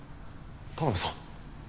田辺さん。